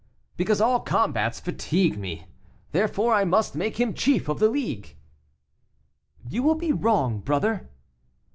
"Because all combats fatigue me; therefore I must make him chief of the League." "You will be wrong, brother."